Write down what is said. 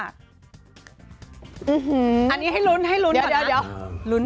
อันนี้ให้ลุ้นก่อนนะ